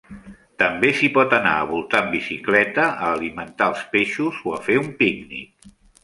També s'hi pot anar a voltar amb bicicleta, a alimentar els peixos o a fer un pícnic.